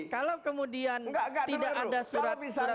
kalau kemudian tidak ada surat